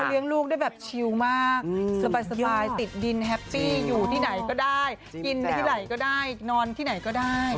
เลี้ยงลูกได้แบบชิลมากสบายติดดินแฮปปี้อยู่ที่ไหนก็ได้กินที่ไหนก็ได้นอนที่ไหนก็ได้